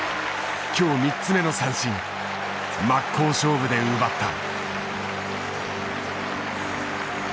今日３つ目の三振真っ向勝負で奪った。